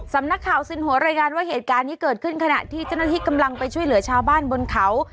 สำนักข่าวสินหัวรายงานว่าเหตุการณ์นี้เกิดขึ้นขณะที่เจ้าหน้าที่กำลังไปช่วยเหลือชาวบ้านบนเขา